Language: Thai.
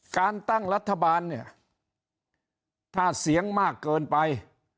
การตั้งรัฐบาลเนี่ยถ้าเสียงมากเกินไป